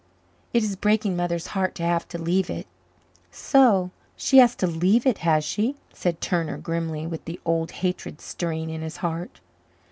It is breaking Mother's heart to have to leave it." "So she has to leave it, has she?" said Turner grimly, with the old hatred stirring in his heart.